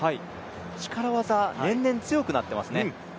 力技、年々、強くなっていますね。